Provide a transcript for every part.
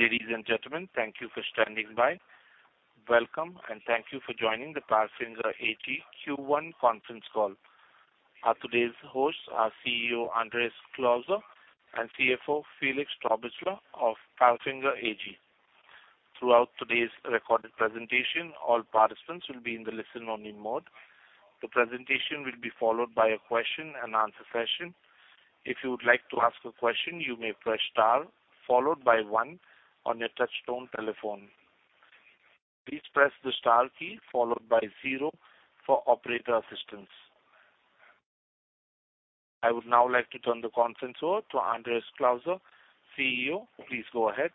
Ladies and gentlemen, thank you for standing by. Welcome, and thank you for joining the Palfinger AG Q1 conference call. Our today's hosts are CEO Andreas Klauser and CFO Felix Strohbichler of Palfinger AG. Throughout today's recorded presentation, all participants will be in the listen-only mode. The presentation will be followed by a question-and-answer session. If you would like to ask a question, you may press star followed by one on your touch-tone telephone. Please press the star key followed by zero for operator assistance. I would now like to turn the conference over to Andreas Klauser, CEO. Please go ahead.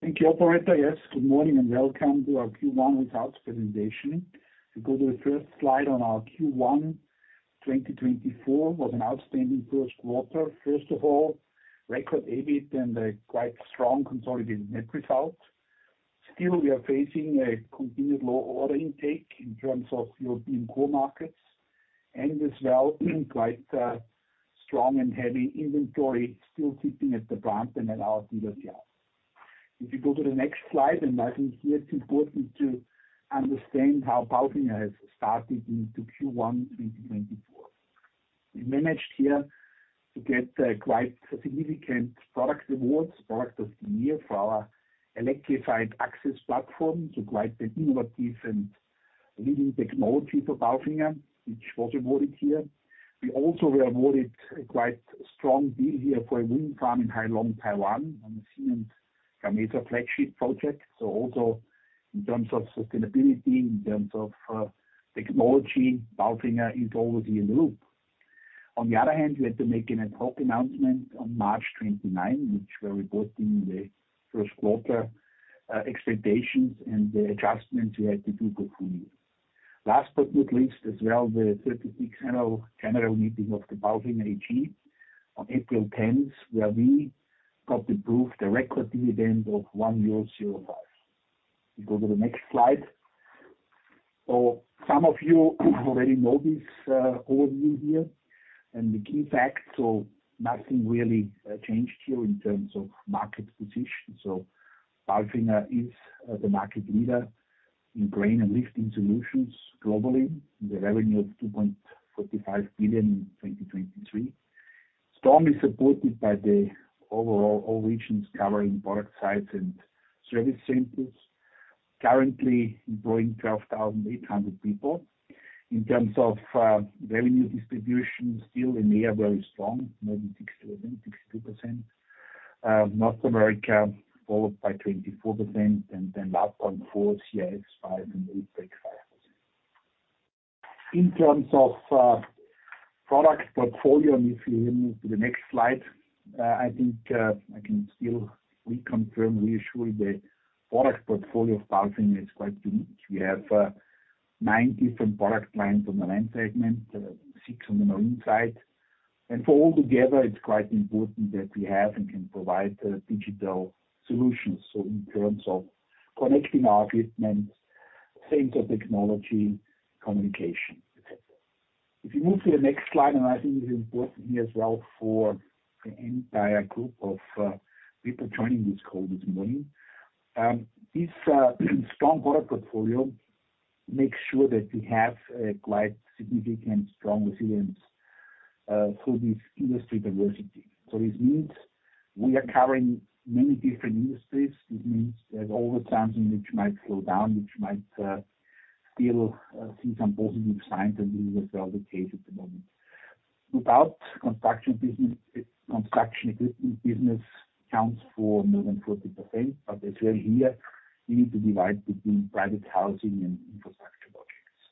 Thank you, Operator. Yes, good morning and welcome to our Q1 results presentation. If you go to the first slide on our Q1 2024, it was an outstanding first quarter. First of all, record EBIT and a quite strong consolidated net result. Still, we are facing a continued low order intake in terms of European core markets, and as well, quite strong and heavy inventory still sitting at the plant and at our dealership. If you go to the next slide, and as you can see, it's important to understand how Palfinger has started into Q1 2024. We managed here to get quite significant product awards, Product of the Year, for our electrified access platform, so quite the innovative and leading technology for Palfinger, which was awarded here. We also were awarded a quite strong deal here for a wind farm in Hai Long, Taiwan, on a Siemens Gamesa flagship project. So also, in terms of sustainability, in terms of technology, Palfinger is always here in the loop. On the other hand, we had to make an ad hoc announcement on March 29, which we're reporting the first quarter expectations and the adjustments we had to do for full year. Last but not least, as well, the 36th general meeting of the Palfinger AG on April 10, where we got approved a record dividend of 1.05. If you go to the next slide. So some of you already know this overview here, and the key facts: so nothing really changed here in terms of market position. So Palfinger is the market leader in crane and lifting solutions globally, with a revenue of 2.45 billion in 2023. Supported by the overall all regions covering product sites and service centers, currently employing 12,800 people. In terms of revenue distribution, still an area very strong, maybe 60%-62%. North America, followed by 24%, and then 0.4%, CIS 5%-8.5%. In terms of product portfolio, and if you move to the next slide, I think I can still reconfirm, reassure you, the product portfolio of Palfinger is quite unique. We have nine different product lines on the land segment, six on the marine side. Altogether, it's quite important that we have and can provide digital solutions, so in terms of connecting our equipment, sensor technology, communication, etc. If you move to the next slide, and I think it's important here as well for the entire group of people joining this call this morning, this strong product portfolio makes sure that we have quite significant, strong resilience through this industry diversity. So this means we are covering many different industries. This means there's always something which might slow down, which might still see some positive signs, and this is as well the case at the moment. Construction equipment business counts for more than 40%, but as well here, we need to divide between private housing and infrastructure projects.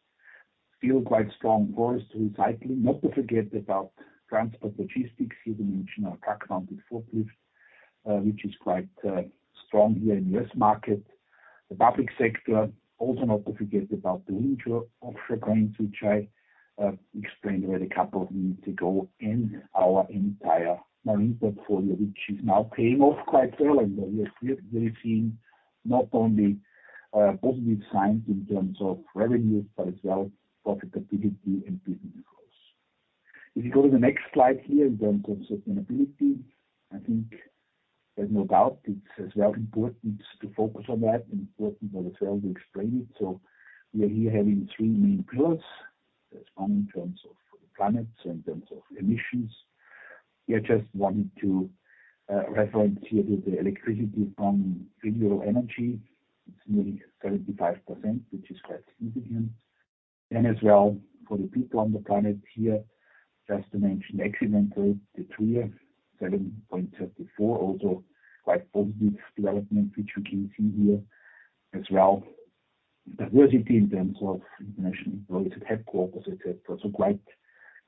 Still quite strong forest recycling. Not to forget about transport logistics. Here to mention our truck-mounted forklift, which is quite strong here in the U.S. market. The public sector. Also not to forget about the wind offshore cranes, which I explained already a couple of minutes ago, and our entire marine portfolio, which is now paying off quite well, and we are really seeing not only positive signs in terms of revenues but as well profitability and business growth. If you go to the next slide here, in terms of sustainability, I think there's no doubt it's as well important to focus on that and important as well to explain it. So we are here having three main pillars. There's one in terms of the planet and in terms of emissions. Yeah, just wanted to reference here to the electricity from renewable energy. It's nearly 75%, which is quite significant. And as well, for the people on the planet here, just to mention accident rate, the TRIF 7.34, also quite positive development, which we can see here as well. Diversity in terms of international employees at headquarters, etc. So quite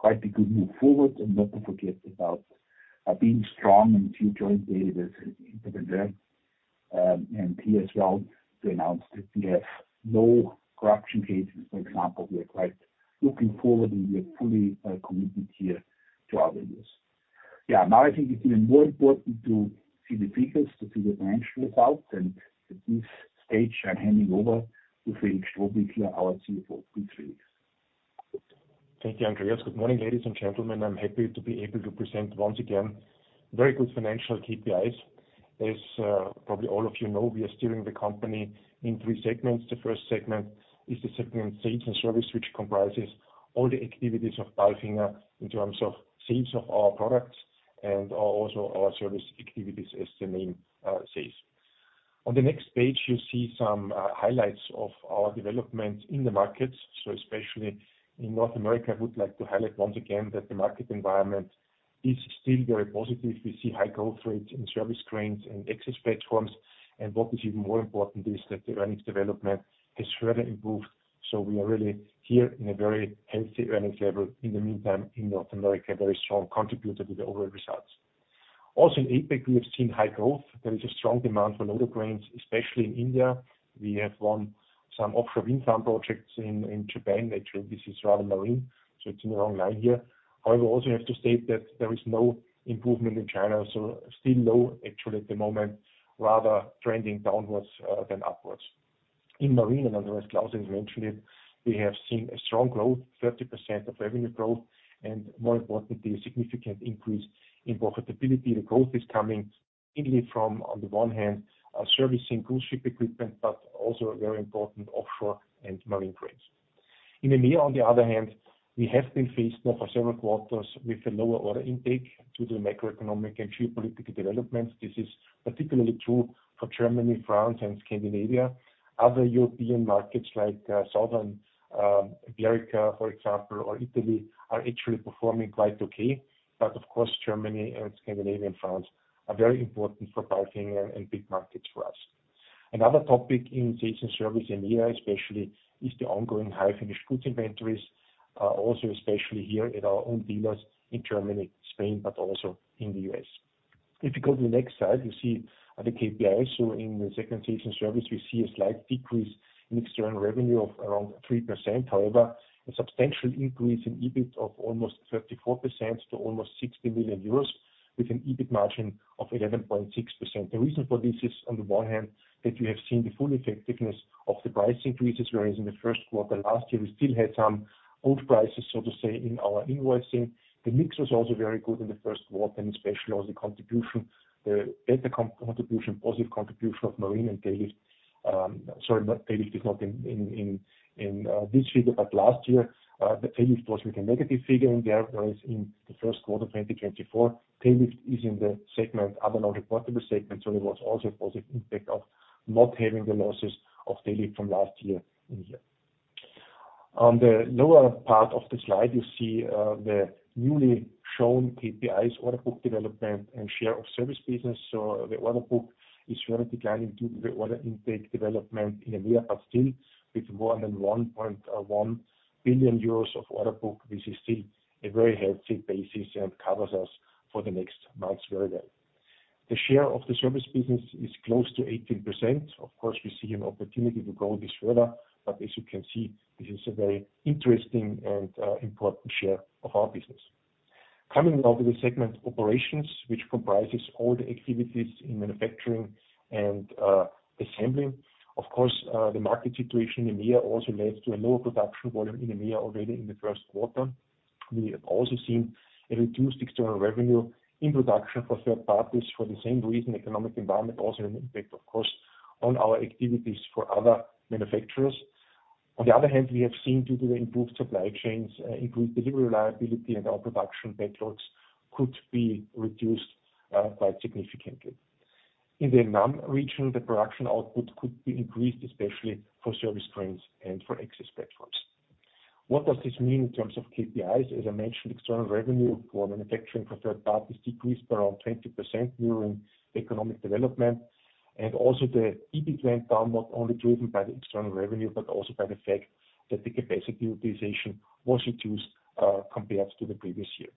a good move forward. And not to forget about being strong and future-oriented as an entrepreneur. And here as well, to announce that we have no corruption cases. For example, we are quite looking forward, and we are fully committed here to our values. Yeah, now I think it's even more important to see the figures, to see the financial results. At this stage, I'm handing over to Felix Strohbichler, our CFO. Please, Felix. Thank you, Andreas. Good morning, ladies and gentlemen. I'm happy to be able to present once again very good financial KPIs. As probably all of you know, we are steering the company in three segments. The first segment is the segment sales and service, which comprises all the activities of Palfinger in terms of sales of our products and also our service activities, as the name says. On the next page, you see some highlights of our development in the markets. So especially in North America, I would like to highlight once again that the market environment is still very positive. We see high growth rates in service cranes and access platforms. And what is even more important is that the earnings development has further improved. So we are really here in a very healthy earnings level. In the meantime, in North America, a very strong contributor to the overall results. Also in APAC, we have seen high growth. There is a strong demand for loader cranes, especially in India. We have won some offshore wind farm projects in Japan. Actually, this is rather marine, so it's in the wrong line here. However, I also have to state that there is no improvement in China. So still low, actually, at the moment, rather trending downwards than upwards. In marine, and Andreas Klauser has mentioned it, we have seen a strong growth, 30% of revenue growth, and more importantly, a significant increase in profitability. The growth is coming mainly from, on the one hand, servicing cruise ship equipment, but also very important offshore and marine cranes. In EMEA, on the other hand, we have been faced now for several quarters with a lower order intake due to the macroeconomic and geopolitical developments. This is particularly true for Germany, France, and Scandinavia. Other European markets like Southern Europe, for example, or Italy are actually performing quite okay. But of course, Germany and Scandinavia and France are very important for Palfinger and big markets for us. Another topic in sales and service in EMEA, especially, is the ongoing high finished goods inventories, also especially here at our own dealers in Germany, Spain, but also in the US. If you go to the next slide, you see the KPIs. So in the segment sales and service, we see a slight decrease in external revenue of around 3%. However, a substantial increase in EBIT of almost 34% to almost 60 million euros, with an EBIT margin of 11.6%. The reason for this is, on the one hand, that you have seen the full effectiveness of the price increases, whereas in the first quarter last year, we still had some old prices, so to say, in our invoicing. The mix was also very good in the first quarter, and especially also the contribution, the better contribution, positive contribution of marine and tail lift. Sorry, tail lift is not in this figure, but last year, the tail lift was with a negative figure in there, whereas in the first quarter 2024, tail lift is in the segment, other non-reportable segment, so there was also a positive impact of not having the losses of tail lift from last year in here. On the lower part of the slide, you see the newly shown KPIs, order book development, and share of service business. So the order book is further declining due to the order intake development in EMEA, but still with more than 1.1 billion euros of order book. This is still a very healthy basis and covers us for the next months very well. The share of the service business is close to 18%. Of course, we see an opportunity to grow this further, but as you can see, this is a very interesting and important share of our business. Coming now to the segment operations, which comprises all the activities in manufacturing and assembly. Of course, the market situation in EMEA also led to a lower production volume in EMEA already in the first quarter. We have also seen a reduced external revenue in production for third parties for the same reason. Economic environment also had an impact, of course, on our activities for other manufacturers. On the other hand, we have seen, due to the improved supply chains, increased delivery reliability, and our production backlogs could be reduced quite significantly. In the NAM region, the production output could be increased, especially for service cranes and for access platforms. What does this mean in terms of KPIs? As I mentioned, external revenue for manufacturing for third parties decreased by around 20% during economic development. And also the EBIT went down, not only driven by the external revenue but also by the fact that the capacity utilization was reduced compared to the previous year.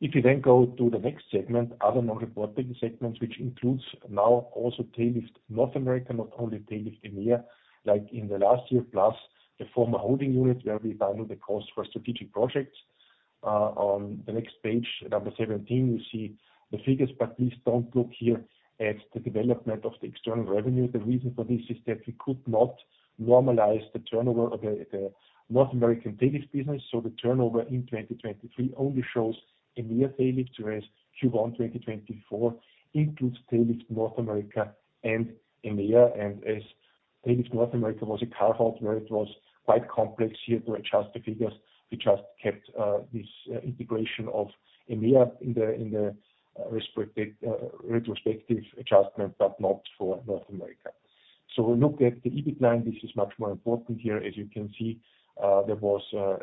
If you then go to the next segment, other non-reportable segments, which includes now also tail lift North America, not only tail lift EMEA like in the last year, plus the former holding unit where we find the costs for strategic projects. On the next page, number 17, you see the figures, but please don't look here at the development of the external revenue. The reason for this is that we could not normalize the turnover of the North American tail lift business. So the turnover in 2023 only shows EMEA tail lift, whereas Q1 2024 includes tail lift North America and EMEA. And as tail lift North America was a carve-out where it was quite complex here to adjust the figures, we just kept this integration of EMEA in the retrospective adjustment, but not for North America. So look at the EBIT line. This is much more important here. As you can see, there was a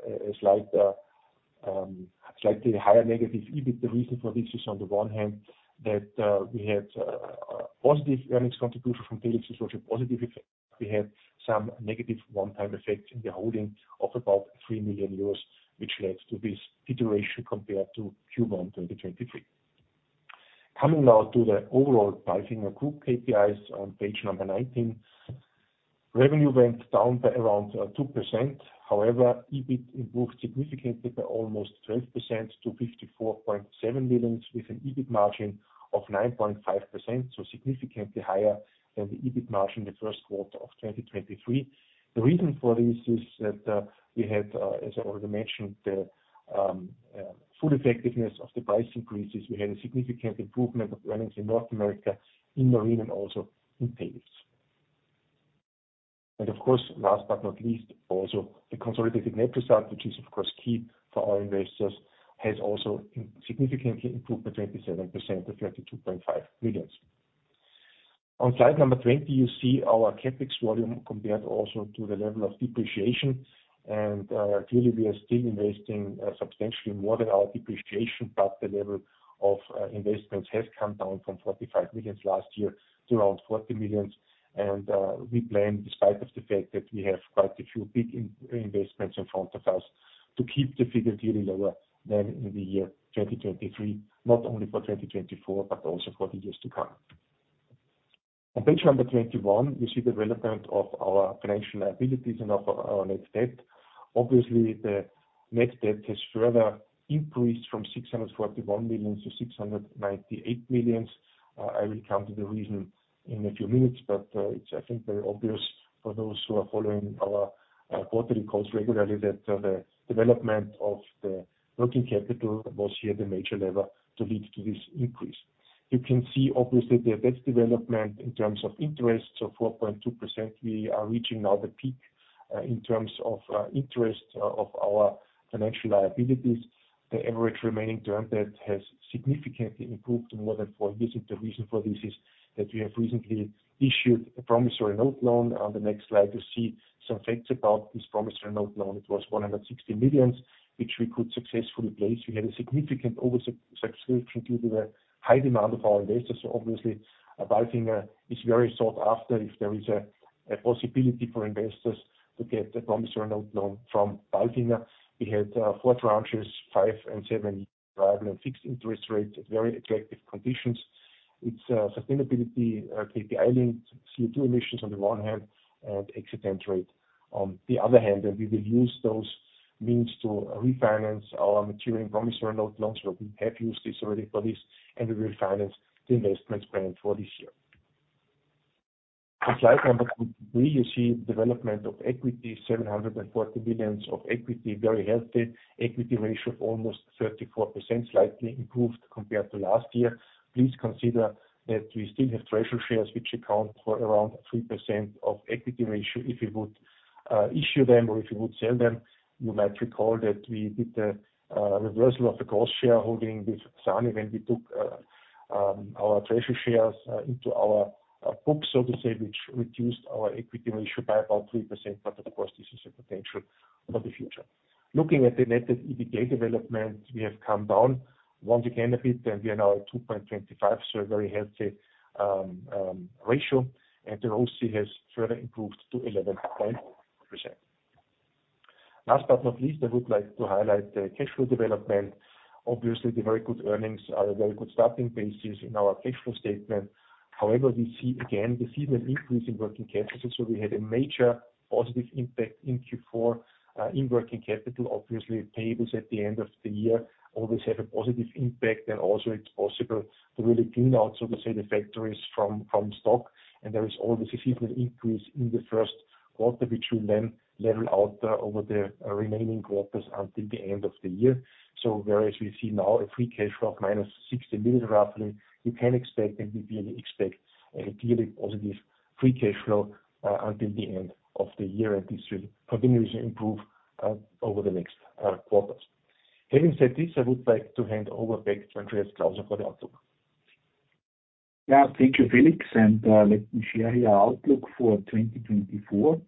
slightly higher negative EBIT. The reason for this is, on the one hand, that we had a positive earnings contribution from tail lift associate, positive effect. We had some negative one-time effects in the holding of about 3 million euros, which led to this deterioration compared to Q1 2023. Coming now to the overall Palfinger Group KPIs on page number 19, revenue went down by around 2%. However, EBIT improved significantly by almost 12% to 54.7 million, with an EBIT margin of 9.5%, so significantly higher than the EBIT margin in the first quarter of 2023. The reason for this is that we had, as I already mentioned, the full effectiveness of the price increases. We had a significant improvement of earnings in North America, in marine, and also in tail lifts. And of course, last but not least, also the consolidated net result, which is, of course, key for our investors, has also significantly improved by 27% to 32.5 million. On slide number 20, you see our CapEx volume compared also to the level of depreciation. And clearly, we are still investing substantially more than our depreciation, but the level of investments has come down from 45 million last year to around 40 million. And we plan, despite the fact that we have quite a few big investments in front of us, to keep the figure clearly lower than in the year 2023, not only for 2024 but also for the years to come. On page 21, you see the development of our financial liabilities and of our net debt. Obviously, the net debt has further increased from 641 million to 698 million. I will come to the reason in a few minutes, but it's, I think, very obvious for those who are following our quarterly calls regularly that the development of the working capital was here the major lever to lead to this increase. You can see, obviously, the debt development in terms of interest, so 4.2%. We are reaching now the peak in terms of interest of our financial liabilities. The average remaining term debt has significantly improved in more than 4 years. The reason for this is that we have recently issued a promissory note loan. On the next slide, you see some facts about this promissory note loan. It was 160 million, which we could successfully place. We had a significant oversubscription due to the high demand of our investors. So obviously, Palfinger is very sought after if there is a possibility for investors to get a promissory note loan from Palfinger. We had 4 tranches, 5- and 7-year variable and fixed interest rates at very attractive conditions. It's sustainability KPI-linked, CO2 emissions on the one hand, and accident rate on the other hand. We will use those means to refinance our maturing promissory note loans, where we have used this already for this, and we will finance the investment plan for this year. On slide 23, you see the development of equity, 740 million of equity, very healthy equity ratio of almost 34%, slightly improved compared to last year. Please consider that we still have treasury shares, which account for around 3% of equity ratio. If you would issue them or if you would sell them, you might recall that we did a reversal of a cross-shareholding with SANY when we took our treasury shares into our books, so to say, which reduced our equity ratio by about 3%. Of course, this is a potential for the future. Looking at the net debt to EBITDA development, we have come down once again a bit, and we are now at 2.25, so a very healthy ratio. The ROCE has further improved to 11.3%. Last but not least, I would like to highlight the cash flow development. Obviously, the very good earnings are a very good starting basis in our cash flow statement. However, we see again the seasonal increase in working capital. We had a major positive impact in Q4 in working capital. Obviously, payables at the end of the year always have a positive impact, and also it's possible to really clean out, so to say, the factories from stock. There is always a seasonal increase in the first quarter, which will then level out over the remaining quarters until the end of the year. So whereas we see now a free cash flow of -60 million, roughly, you can expect, and we really expect, a clearly positive free cash flow until the end of the year. And this will continue to improve over the next quarters. Having said this, I would like to hand over back to Andreas Klauser for the outlook. Yeah. Thank you, Felix. And let me share here our outlook for 2024.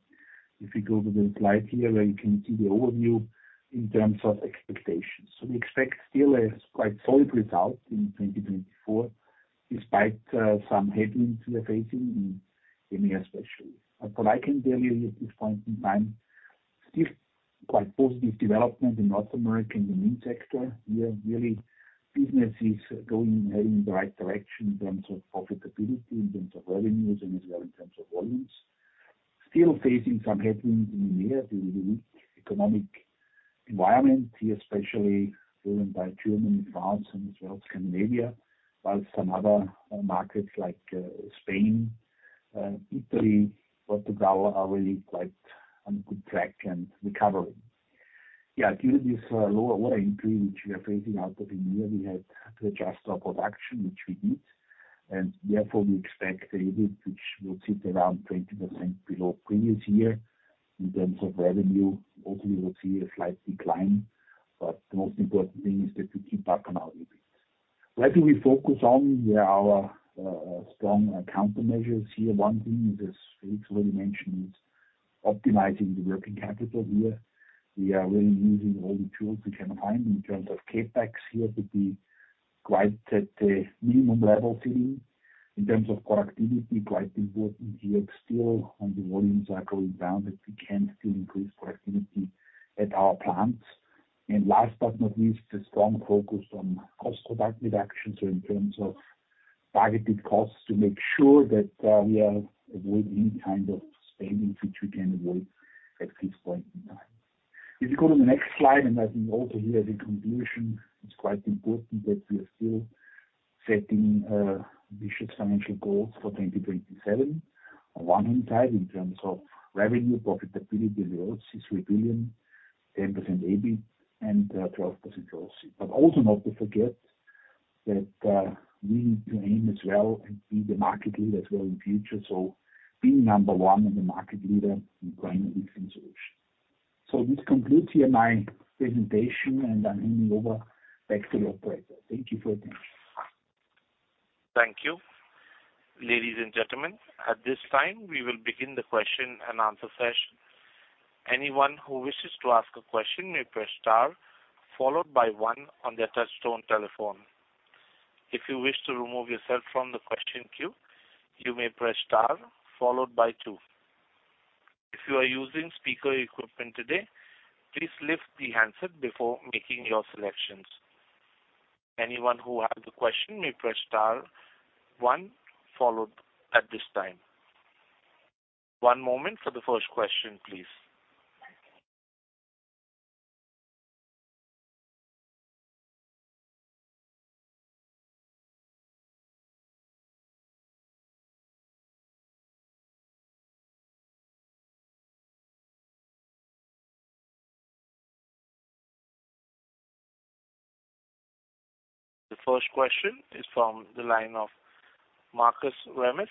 If you go to the slide here, where you can see the overview in terms of expectations. So we expect still a quite solid result in 2024, despite some headwinds we are facing in EMEA especially. But what I can tell you here at this point in time, still quite positive development in North America in the marine sector here. Really, business is going heading in the right direction in terms of profitability, in terms of revenues, and as well in terms of volumes. Still facing some headwinds in EMEA due to the weak economic environment here, especially driven by Germany, France, and as well Scandinavia, while some other markets like Spain, Italy, Portugal are really quite on a good track and recovering. Yeah. Due to this lower order increase, which we are facing out of EMEA, we had to adjust our production, which we did. Therefore, we expect the EBIT, which will sit around 20% below previous year in terms of revenue. Also, we will see a slight decline. But the most important thing is that we keep up on our EBIT. Where do we focus on? We have our strong countermeasures here. One thing, as Felix already mentioned, is optimizing the working capital here. We are really using all the tools we can find in terms of CapEx here to be quite at the minimum level sitting. In terms of productivity, quite important here, still, when the volumes are going down, that we can still increase productivity at our plants. Last but not least, a strong focus on cost reduction, so in terms of targeted costs to make sure that we avoid any kind of spending, which we can avoid at this point in time. If you go to the next slide, and I think also here as a conclusion, it's quite important that we are still setting ambitious financial goals for 2027 on one hand side in terms of revenue, profitability, and the ROCE, EUR 3 billion, 10% EBIT, and 12% ROCE. But also not to forget that we need to aim as well and be the market lead as well in the future. Being number one and the market leader in lifting solutions. This concludes here my presentation, and I'm handing over back to the operator. Thank you for your attention. Thank you, ladies and gentlemen. At this time, we will begin the question and answer session. Anyone who wishes to ask a question may press star, followed by one on their touch-tone telephone. If you wish to remove yourself from the question queue, you may press star, followed by two. If you are using speaker equipment today, please lift the handset before making your selections. Anyone who has a question may press star, one, followed at this time. One moment for the first question, please. The first question is from the line of Markus Remis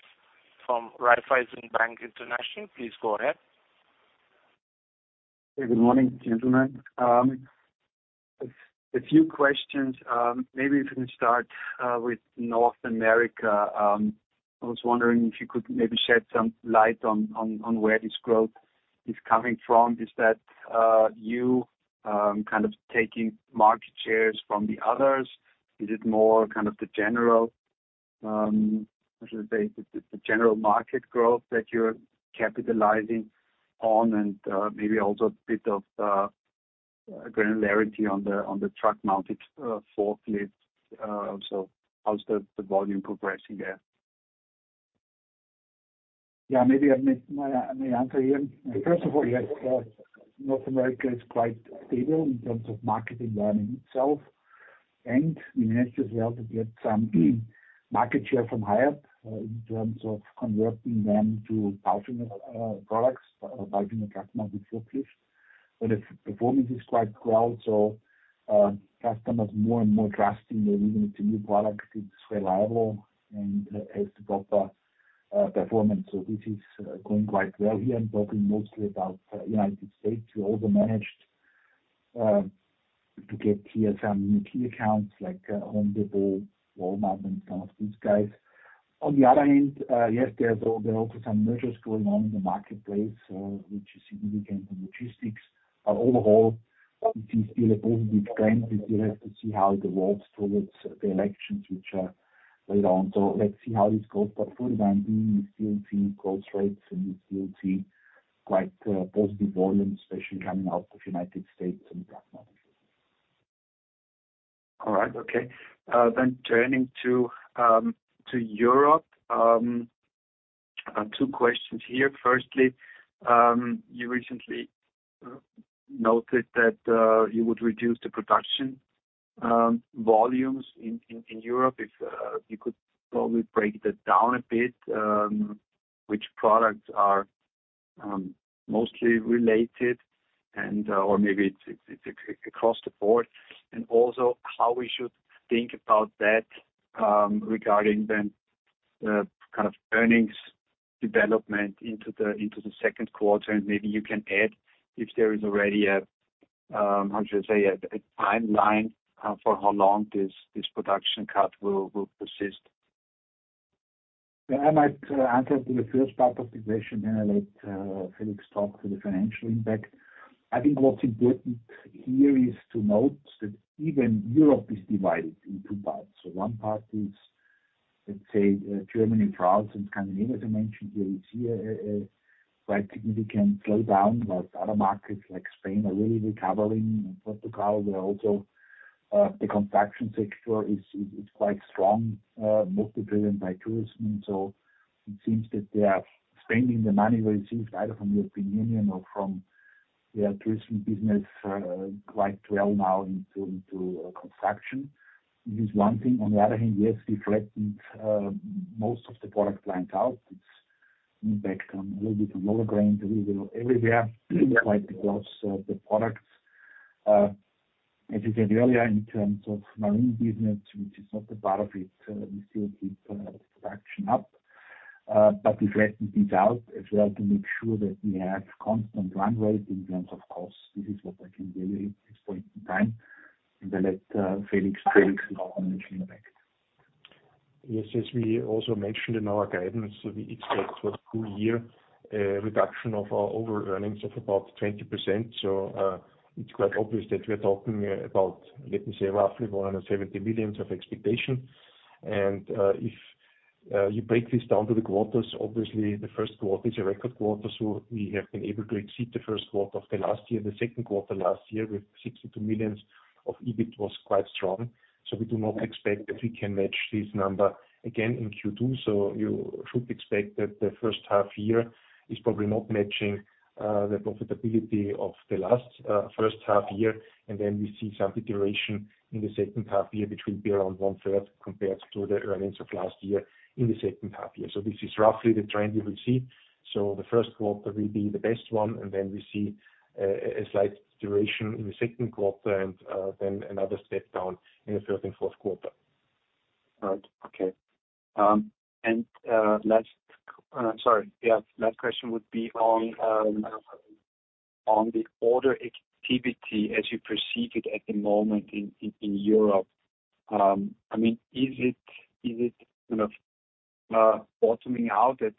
from Raiffeisen Bank International. Please go ahead. Hey. Good morning, gentlemen. A few questions. Maybe if you can start with North America. I was wondering if you could maybe shed some light on where this growth is coming from. Is that you kind of taking market shares from the others? Is it more kind of the general how should I say? The general market growth that you're capitalizing on and maybe also a bit of granularity on the truck-mounted forklift. So how's the volume progressing there? Yeah. Maybe I may answer here. First of all, yes. North America is quite stable in terms of market environment itself. We managed as well to get some market share from Hiab in terms of converting them to Palfinger products, Palfinger truck-mounted forklift. The performance is quite well. Customers more and more trusting that even if it's a new product, it's reliable and has the proper performance. This is going quite well here and talking mostly about the United States. We also managed to get here some key accounts like Home Depot, Walmart, and some of these guys. On the other hand, yes, there are also some mergers going on in the marketplace, which is significant in logistics. Overall, we see still a positive trend. We still have to see how it evolves towards the elections, which are later on. So let's see how this goes. But for the time being, we still see growth rates, and we still see quite positive volumes, especially coming out of the United States and the truck-mounted forklift. All right. Okay. Then turning to Europe, two questions here. Firstly, you recently noted that you would reduce the production volumes in Europe. If you could probably break that down a bit, which products are mostly related, or maybe it's across the board, and also how we should think about that regarding then the kind of earnings development into the second quarter. And maybe you can add if there is already a how should I say? A timeline for how long this production cut will persist. Yeah. I might answer to the first part of the question and then let Felix talk to the financial impact. I think what's important here is to note that even Europe is divided in two parts. So one part is, let's say, Germany, France, and Scandinavia, as I mentioned here. We see a quite significant slowdown, while other markets like Spain are really recovering, and Portugal, where also the construction sector is quite strong, multiplied by tourism. And so it seems that they are spending the money received either from European Union or from their tourism business quite well now into construction. This is one thing. On the other hand, yes, we flattened most of the product lines out. It's an impact a little bit on lower crane delivery everywhere, quite across the products. As you said earlier, in terms of marine business, which is not a part of it, we still keep the production up. But we flattened this out as well to make sure that we have constant run rate in terms of costs. This is what I can tell you at this point in time. And I'll let Felix. Felix with the financial impact. Yes. As we also mentioned in our guidance, we expect for the full year a reduction of our overall earnings of about 20%. So it's quite obvious that we are talking about, let me say, roughly 170 million of expectation. And if you break this down to the quarters, obviously, the first quarter is a record quarter. So we have been able to exceed the first quarter of the last year. The second quarter last year with 62 million of EBIT was quite strong. So we do not expect that we can match this number again in Q2. So you should expect that the first half year is probably not matching the profitability of the last first half year. And then we see some deterioration in the second half year, which will be around one-third compared to the earnings of last year in the second half year. This is roughly the trend you will see. The first quarter will be the best one, and then we see a slight deterioration in the second quarter and then another step down in the third and fourth quarter. All right. Okay. And last, sorry. Yeah. Last question would be on the order activity as you perceive it at the moment in Europe. I mean, is it kind of bottoming out at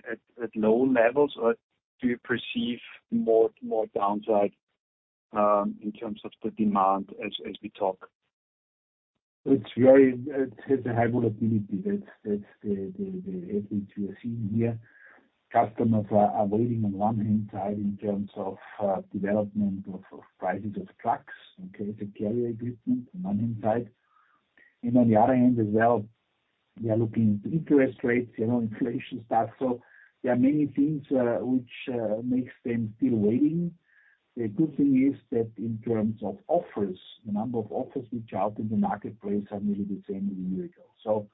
low levels, or do you perceive more downside in terms of the demand as we talk? It has a high volatility. That's the effort you are seeing here. Customers are waiting on one hand side in terms of development of prices of trucks, okay, as a carrier equipment on one hand side. On the other hand as well, they are looking into interest rates, inflation stuff. There are many things which make them still waiting. The good thing is that in terms of offers, the number of offers which are out in the marketplace are nearly the same as a year ago.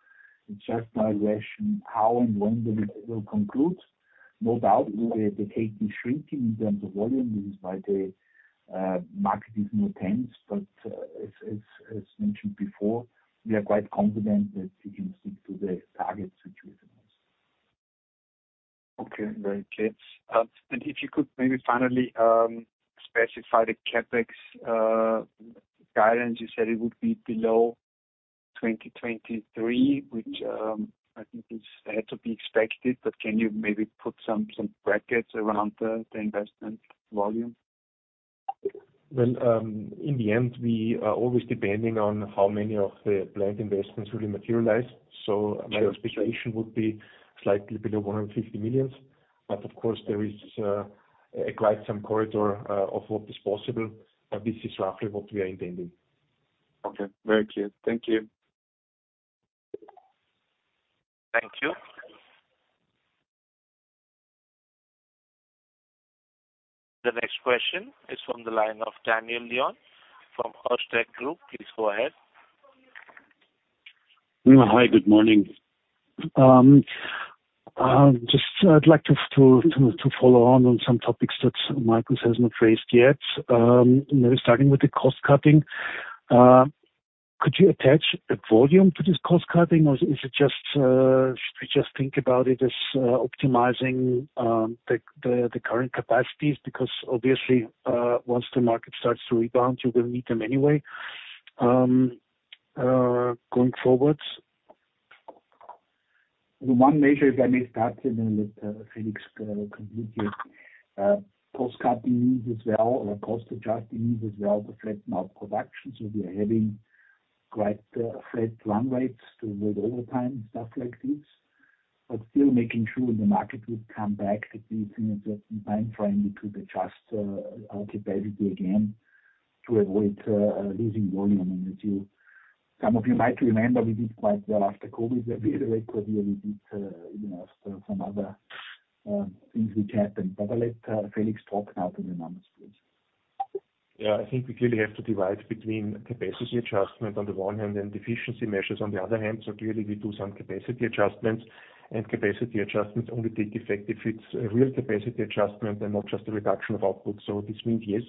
It's just now a question how and when will it conclude. No doubt, the take is shrinking in terms of volume. This is why the market is more tense. As mentioned before, we are quite confident that we can stick to the target situation most. Okay. Very clear. If you could maybe finally specify the CapEx guidance, you said it would be below 2023, which I think had to be expected. But can you maybe put some brackets around the investment volume? Well, in the end, we are always depending on how many of the planned investments really materialize. So my expectation would be slightly below 150 million. But of course, there is quite some corridor of what is possible. But this is roughly what we are intending. Okay. Very clear. Thank you. Thank you. The next question is from the line of Daniel Lion from Erste Group. Please go ahead. Hi. Good morning. Just, I'd like to follow on on some topics that Markus has not raised yet. Maybe starting with the cost cutting. Could you attach a volume to this cost cutting, or should we just think about it as optimizing the current capacities? Because obviously, once the market starts to rebound, you will need them anyway going forward. The one measure, if I may start, and then let Felix complete here. Cost cutting means as well, or cost adjusting means as well, to flatten out production. So we are having quite flat run rates to avoid overtime and stuff like this, but still making sure the market would come back, at least in a certain timeframe, we could adjust our capacity again to avoid losing volume. And as some of you might remember, we did quite well after COVID. That will be a record year. We did some other things which happened. But I'll let Felix talk now to the numbers, please. Yeah. I think we clearly have to divide between capacity adjustment on the one hand and efficiency measures on the other hand. So clearly, we do some capacity adjustments. And capacity adjustments only take effect if it's a real capacity adjustment and not just a reduction of output. So this means, yes,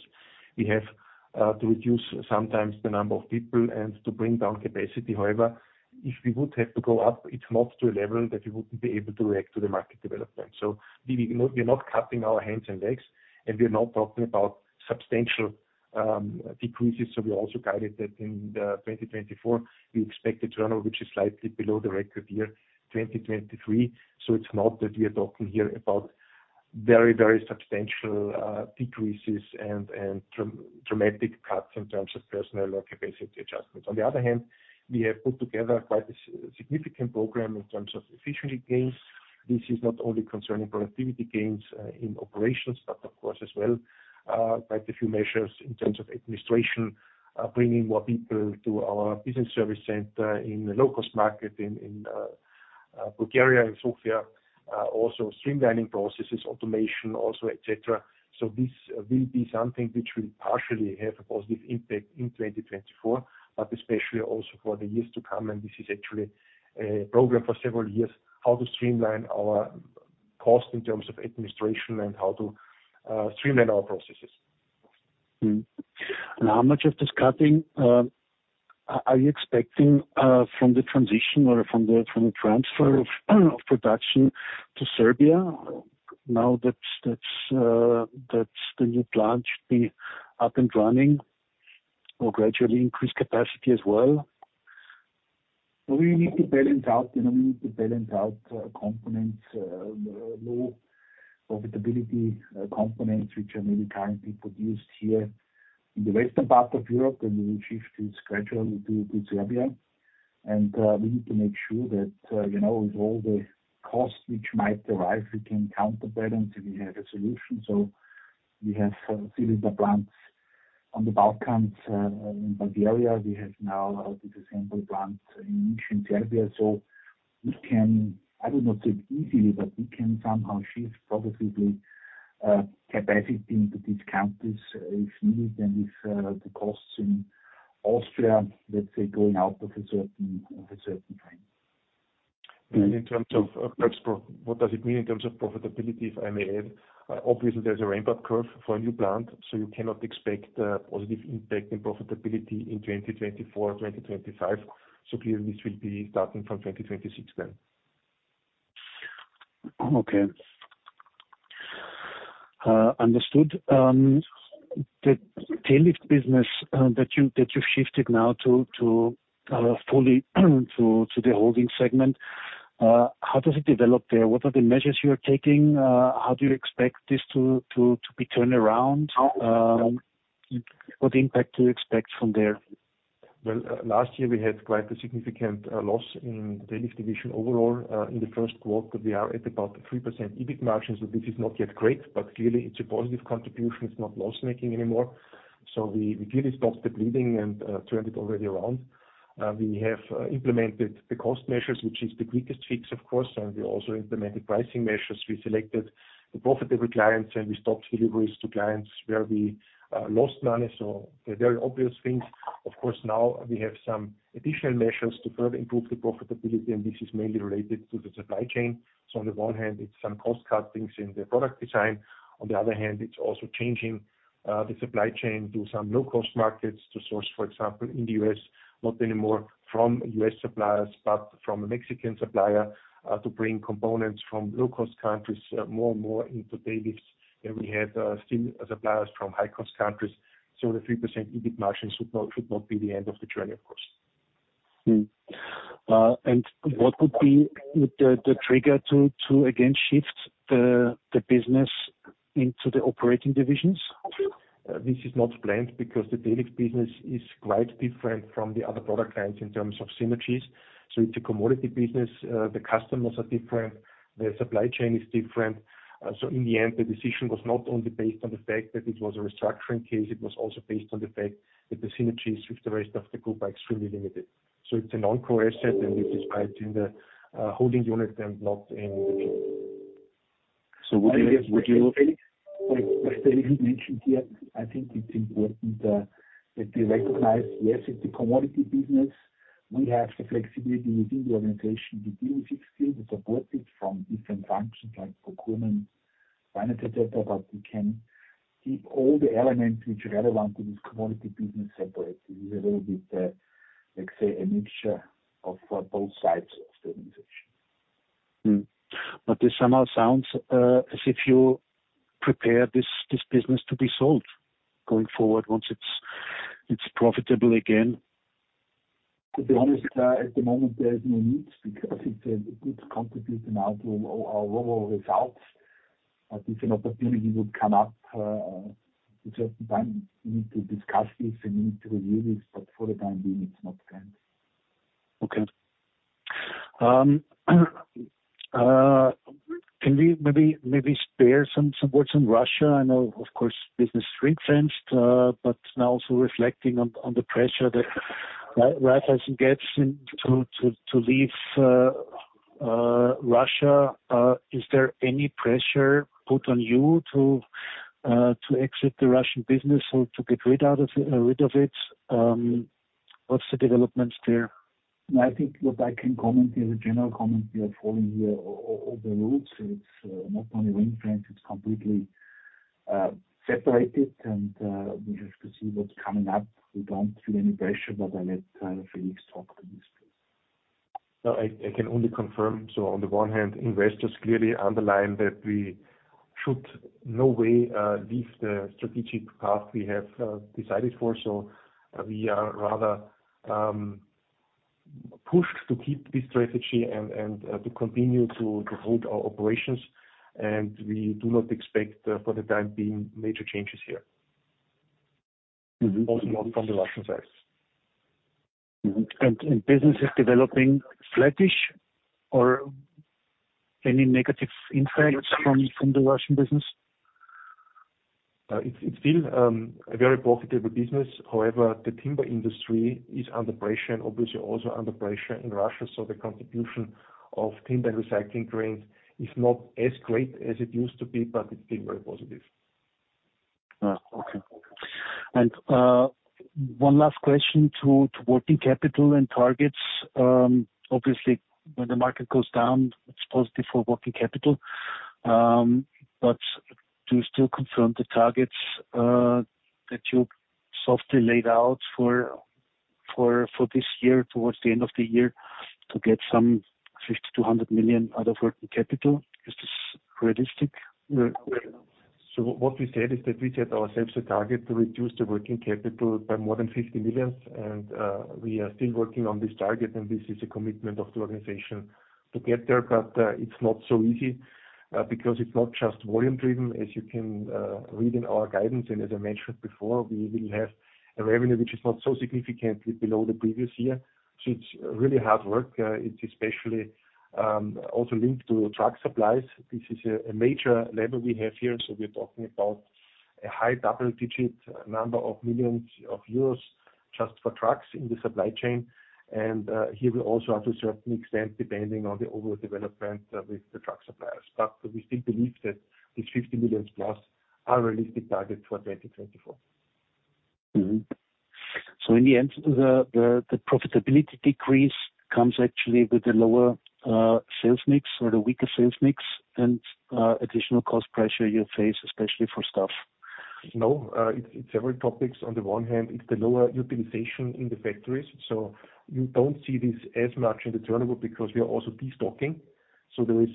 we have to reduce sometimes the number of people and to bring down capacity. However, if we would have to go up, it's not to a level that we wouldn't be able to react to the market development. So we are not cutting our hands and legs, and we are not talking about substantial decreases. So we also guided that in 2024, we expect a turnover which is slightly below the record year 2023. So it's not that we are talking here about very, very substantial decreases and dramatic cuts in terms of personnel or capacity adjustments. On the other hand, we have put together quite a significant program in terms of efficiency gains. This is not only concerning productivity gains in operations, but of course as well quite a few measures in terms of administration, bringing more people to our business service center in a low-cost market in Bulgaria, in Sofia, also streamlining processes, automation also, etc. So this will be something which will partially have a positive impact in 2024, but especially also for the years to come. And this is actually a program for several years, how to streamline our cost in terms of administration and how to streamline our processes. Now, how much of this cutting are you expecting from the transition or from the transfer of production to Serbia now that the new plant should be up and running or gradually increase capacity as well? Well, we need to balance out components, low-profitability components, which are maybe currently produced here in the western part of Europe. We will shift this gradually to Serbia. We need to make sure that with all the costs which might arrive, we can counterbalance if we have a solution. So we have cylinder plants on the Balkans, in Bulgaria. We have now a assembly plant in Serbia. So we can, I would not say easily, but we can somehow shift progressively capacity into these countries if needed and if the costs in Austria, let's say, going out of a certain frame. In terms of what does it mean in terms of profitability, if I may add? Obviously, there's a ramp-up curve for a new plant, so you cannot expect a positive impact in profitability in 2024, 2025. Clearly, this will be starting from 2026 then. Okay. Understood. The tail lift business that you shifted now to the holding segment, how does it develop there? What are the measures you are taking? How do you expect this to be turned around? What impact do you expect from there? Well, last year, we had quite a significant loss in the tail lift division overall in the first quarter, but we are at about 3% EBIT margin. So this is not yet great, but clearly, it's a positive contribution. It's not loss-making anymore. So we clearly stopped the bleeding and turned it already around. We have implemented the cost measures, which is the quickest fix, of course. And we also implemented pricing measures. We selected the profitable clients, and we stopped deliveries to clients where we lost money. So they're very obvious things. Of course, now we have some additional measures to further improve the profitability, and this is mainly related to the supply chain. So on the one hand, it's some cost cuttings in the product design. On the other hand, it's also changing the supply chain to some low-cost markets to source, for example, in the U.S., not anymore from U.S. suppliers but from a Mexican supplier to bring components from low-cost countries more and more into tail lifts. And we had still suppliers from high-cost countries. So the 3% EBIT margin should not be the end of the journey, of course. What would be the trigger to, again, shift the business into the operating divisions? This is not planned because the tail lift business is quite different from the other product lines in terms of synergies. So it's a commodity business. The customers are different. The supply chain is different. So in the end, the decision was not only based on the fact that it was a restructuring case. It was also based on the fact that the synergies with the rest of the group are extremely limited. So it's a non-core asset, and it is quite in the holding unit and not in the team. So would you? I guess, Felix? What Felix mentioned here, I think it's important that we recognize, yes, it's a commodity business. We have the flexibility within the organization. We deal with it still. We support it from different functions like procurement, finance, etc. But we can keep all the elements which are relevant to this commodity business separate. This is a little bit, let's say, a mixture of both sides of the organization. This somehow sounds as if you prepare this business to be sold going forward once it's profitable again. To be honest, at the moment, there is no need because it's a good contribution out of our overall results. But if an opportunity would come up at a certain time, we need to discuss this and we need to review this. But for the time being, it's not planned. Okay. Can we maybe spare some words on Russia? I know, of course, business strengthens, but now also reflecting on the pressure that Raiffeisen gets to leave Russia, is there any pressure put on you to exit the Russian business or to get rid of it? What's the developments there? I think what I can comment here, the general comment we are following here overall, it's not only wind farms. It's completely separated. We have to see what's coming up. We don't feel any pressure, but I'll let Felix talk to this, please. No, I can only confirm. So on the one hand, investors clearly underline that we should no way leave the strategic path we have decided for. So we are rather pushed to keep this strategy and to continue to hold our operations. We do not expect for the time being major changes here, also not from the Russian side. Business is developing flattish or any negative impact from the Russian business? It's still a very profitable business. However, the timber industry is under pressure and obviously also under pressure in Russia. So the contribution of timber and recycling cranes is not as great as it used to be, but it's still very positive. Okay. And one last question to working capital and targets. Obviously, when the market goes down, it's positive for working capital. But do you still confirm the targets that you softly laid out for this year towards the end of the year to get some 50 million-100 million out of working capital? Is this realistic? So what we said is that we set ourselves a target to reduce the working capital by more than 50 million. And we are still working on this target, and this is a commitment of the organization to get there. But it's not so easy because it's not just volume-driven, as you can read in our guidance. And as I mentioned before, we will have a revenue which is not so significantly below the previous year. So it's really hard work. It's especially also linked to truck supplies. This is a major lever we have here. So we are talking about a high double-digit number of millions of EUR just for trucks in the supply chain. And here we also are, to a certain extent, depending on the overall development with the truck suppliers. But we still believe that these 50 million plus are realistic targets for 2024. In the end, the profitability decrease comes actually with a lower sales mix or the weaker sales mix and additional cost pressure you face, especially for stuff? No. It's several topics. On the one hand, it's the lower utilization in the factories. So you don't see this as much in the turnover because we are also destocking. So there is,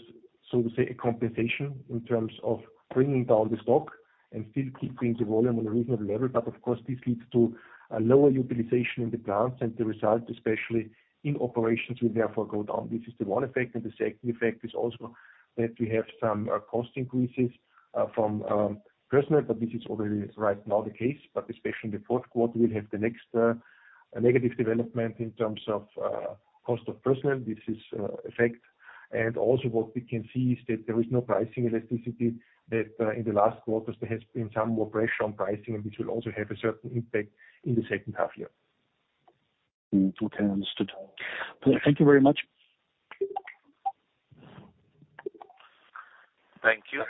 so to say, a compensation in terms of bringing down the stock and still keeping the volume on a reasonable level. But of course, this leads to a lower utilization in the plants, and the result, especially in operations, will therefore go down. This is the one effect. And the second effect is also that we have some cost increases from personnel, but this is already right now the case. But especially in the fourth quarter, we'll have the next negative development in terms of cost of personnel. This is an effect. And also what we can see is that there is no pricing elasticity that, in the last quarters, there has been some more pressure on pricing. And this will also have a certain impact in the second half year. Okay. Understood. Thank you very much. Thank you.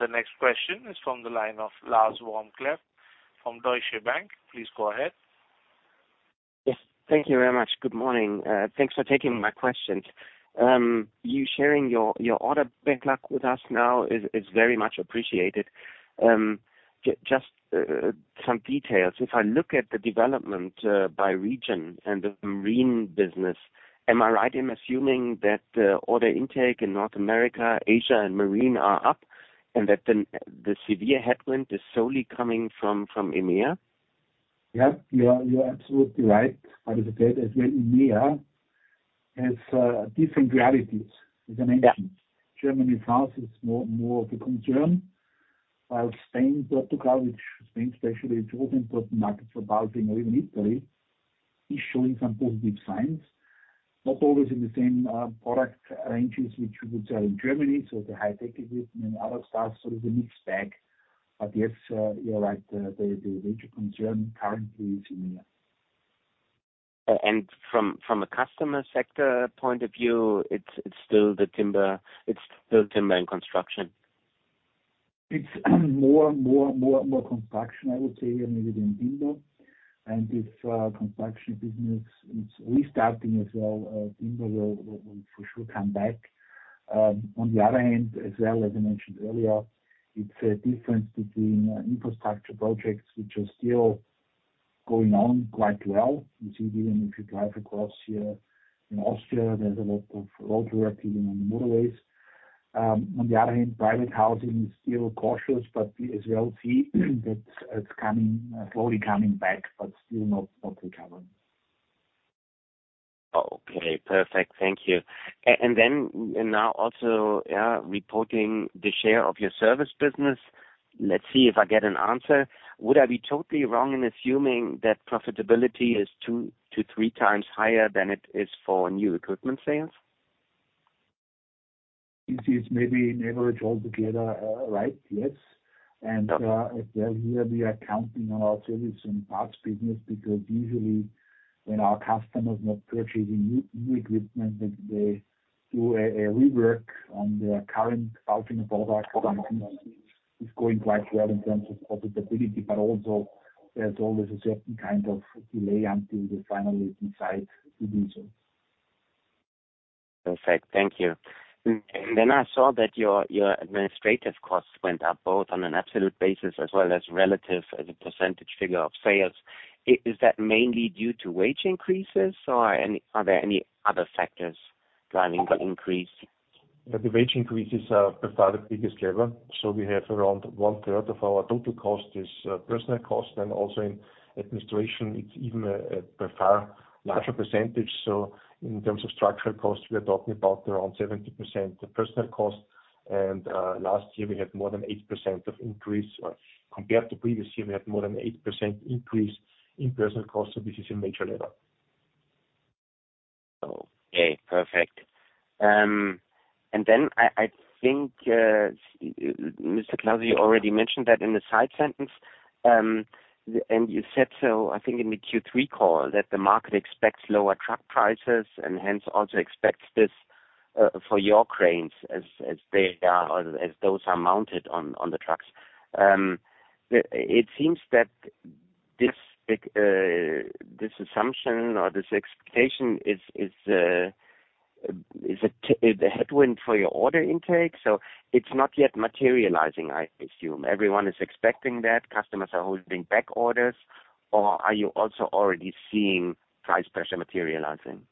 The next question is from the line of Lars vom Cleff from Deutsche Bank. Please go ahead. Yes. Thank you very much. Good morning. Thanks for taking my questions. You sharing your order backlog with us now is very much appreciated. Just some details. If I look at the development by region and the marine business, am I right in assuming that the order intake in North America, Asia, and marine are up and that the severe headwind is solely coming from EMEA? Yeah. You're absolutely right, Felix Strohbichler, as well. EMEA has different realities. As I mentioned, Germany, France is more of a concern, while Spain, Portugal, which Spain especially is also an important market for Palfinger in Italy, is showing some positive signs, not always in the same product ranges which we would sell in Germany. So the high-tech equipment and other stuff, so there's a mixed bag. But yes, you're right. The major concern currently is EMEA. From a customer sector point of view, it's still the timber it's still timber and construction? It's more and more and more and more construction, I would say, maybe than timber. If construction business is restarting as well, timber will for sure come back. On the other hand, as well, as I mentioned earlier, it's a difference between infrastructure projects which are still going on quite well. You see, even if you drive across here in Austria, there's a lot of roadwork even on the motorways. On the other hand, private housing is still cautious, but we as well see that it's slowly coming back but still not recovering. Okay. Perfect. Thank you. And then, now also, yeah, reporting the share of your service business. Let's see if I get an answer. Would I be totally wrong in assuming that profitability is two to three times higher than it is for new equipment sales? You see, it's maybe an average altogether, right? Yes. And as well here, we are counting on our service and parts business because usually, when our customer is not purchasing new equipment, they do a rework on their current Palfinger products. And this is going quite well in terms of profitability. But also, there's always a certain kind of delay until they finally decide to do so. Perfect. Thank you. And then I saw that your administrative costs went up both on an absolute basis as well as relative as a percentage figure of sales. Is that mainly due to wage increases? Or are there any other factors driving the increase? Yeah. The wage increases are by far the biggest lever. So we have around one-third of our total cost is personal cost. And also in administration, it's even by far a larger percentage. So in terms of structural costs, we are talking about around 70% personal cost. And last year, we had more than 8% of increase. Or compared to previous year, we had more than 8% increase in personal costs. So this is a major lever. Okay. Perfect. And then I think, Mr. Klauser, you already mentioned that in the side sentence. And you said, so I think in the Q3 call, that the market expects lower truck prices and hence also expects this for your cranes as they are or as those are mounted on the trucks. It seems that this assumption or this expectation is a headwind for your order intake. So it's not yet materializing, I assume. Everyone is expecting that. Customers are holding back orders. Or are you also already seeing price pressure materializing?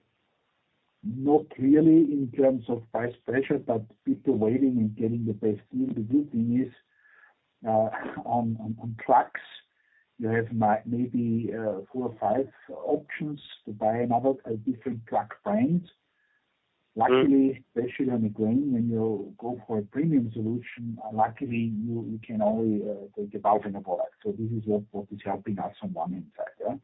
Not clearly in terms of price pressure, but people waiting and getting the best deal. The good thing is, on trucks, you have maybe four or five options to buy another different truck brand. Luckily, especially on a crane, when you go for a premium solution, luckily, you can only take a Palfinger product. So this is what is helping us on one hand side, yeah?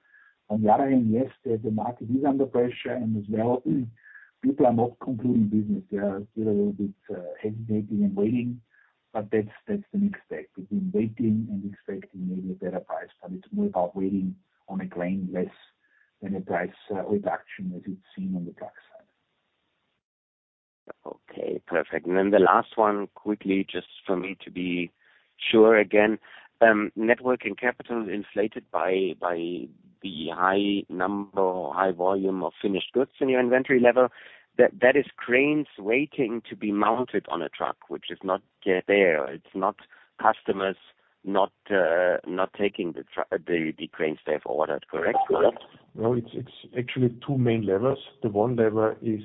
On the other hand, yes, the market is under pressure. And as well, people are not concluding business. They are still a little bit hesitating and waiting. But that's the next step between waiting and expecting maybe a better price. But it's more about waiting on a crane less than a price reduction as it's seen on the truck side. Okay. Perfect. And then the last one quickly, just for me to be sure again, working capital inflated by the high number, high volume of finished goods in your inventory level, that is cranes waiting to be mounted on a truck which is not yet there. It's not customers not taking the cranes they have ordered, correct? Correct? No, it's actually two main levers. The one lever is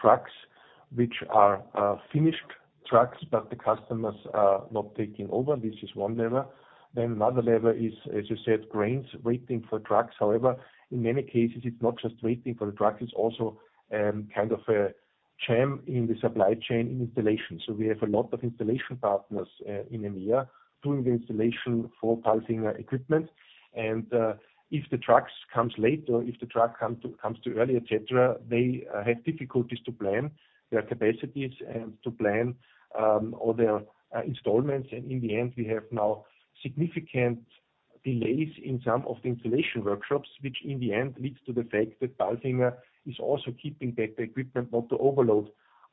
trucks which are finished trucks, but the customers are not taking over. This is one lever. Then another lever is, as you said, cranes waiting for trucks. However, in many cases, it's not just waiting for the trucks. It's also kind of a jam in the supply chain in installation. So we have a lot of installation partners in EMEA doing the installation for Palfinger equipment. And if the trucks come late or if the truck comes too early, etc., they have difficulties to plan their capacities and to plan all their installments. And in the end, we have now significant delays in some of the installation workshops which, in the end, leads to the fact that Palfinger is also keeping back the equipment not to overload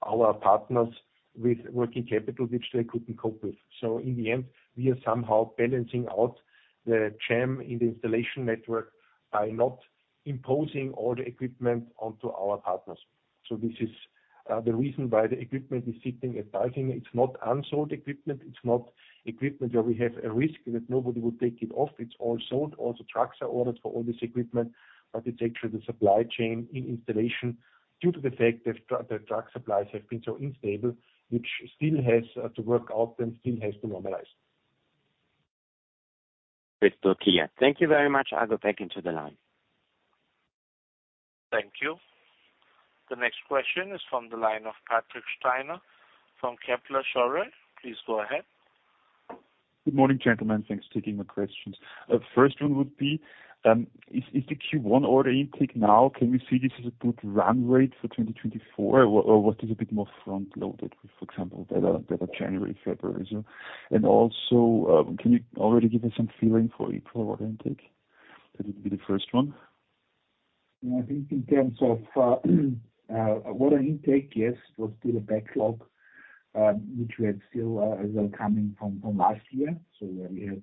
our partners with working capital which they couldn't cope with. So in the end, we are somehow balancing out the jam in the installation network by not imposing all the equipment onto our partners. So this is the reason why the equipment is sitting at Baltic. It's not unsold equipment. It's not equipment where we have a risk that nobody would take it off. It's all sold. Also, trucks are ordered for all this equipment. But it's actually the supply chain in installation due to the fact that truck supplies have been so unstable which still has to work out and still has to normalize. Crystal clear. Thank you very much. I'll go back into the line. Thank you. The next question is from the line of Patrick Steiner from Kepler Cheuvreux. Please go ahead. Good morning, gentlemen. Thanks for taking my questions. First one would be, is the Q1 order intake now, can we see this as a good run rate for 2024? Or was this a bit more front-loaded, for example, better January, February, so? And also, can you already give us some feeling for April order intake? That would be the first one. Yeah. I think in terms of order intake, yes, it was still a backlog which we had still as well coming from last year. So we had